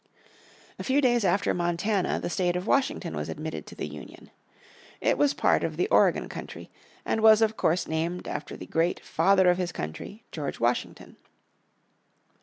A few days after Montana the State of Washington was admitted to the Union. It was part of the Oregon country, and was of course named after the great "Father of his country," George Washington.